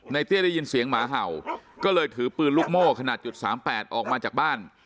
เตี้ยได้ยินเสียงหมาเห่าก็เลยถือปืนลูกโม่ขนาดจุดสามแปดออกมาจากบ้าน